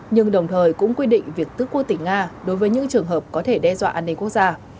nhưng đồng thời cũng quy định việc tức quốc tỉnh nga đối với những trường hợp có thể đe dọa an ninh quốc gia